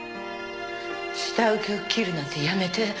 下請けを切るなんてやめて。